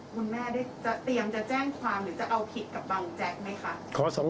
คุณแม่ได้เตรียมจะแจ้งความหรือจะเอาผิดกับบังแจ๊กไหมคะ